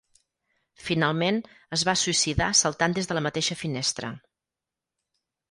Finalment, es va suïcidar saltant des de la mateixa finestra.